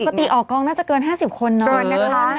ปกติออกกองน่าจะเกิน๕๐คนนะ